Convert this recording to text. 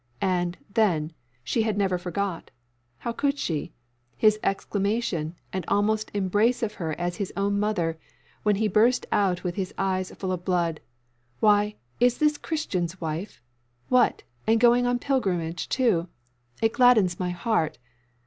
And, then, she had never forgot how could she? his exclamation, and almost embrace of her as of his own mother, when he burst out with his eyes full of blood, "Why, is this Christian's wife? What! and going on pilgrimage too? It glads my heart!